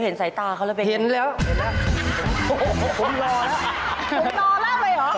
ผมรอมากเลยเหรอ